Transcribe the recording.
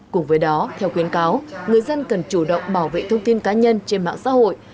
cùng với đó theo khuyến cáo người dân cần chủ động bảo vệ thông tin cá nhân trên mạng xã hội